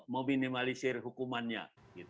meminimalisir hukumannya gitu